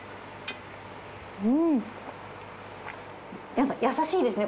やっぱ優しいですね